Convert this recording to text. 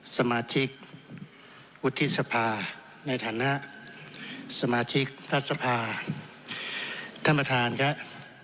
สมาชิกวุฒิสภาในฐานะสมาชิกรัฐสภาท่านประธานครับ